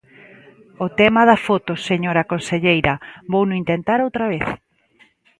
O tema da foto, señora conselleira, vouno intentar outra vez.